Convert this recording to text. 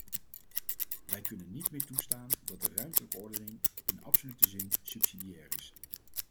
Wij kunnen niet meer toestaan dat de ruimtelijke ordening, in absolute zin, subsidiair is.